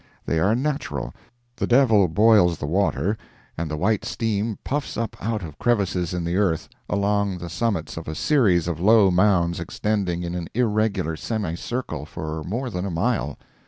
They are natural—the devil boils the water, and the white steam puffs up out of creviccs in the earth, along the summits of a series of low mounds extending in an irregular semi circle for more than a mile.